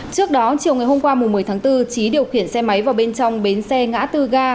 trước đó chiều ngày hôm qua một mươi tháng bốn trí điều khiển xe máy vào bên trong bến xe ngã tư ga